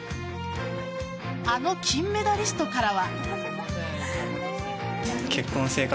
あの金メダリストからは。